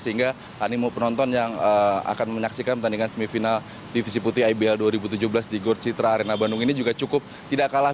sehingga animo penonton yang akan menyaksikan pertandingan semifinal divisi putih ibl dua ribu tujuh belas di gor citra arena bandung ini juga cukup tidak kalah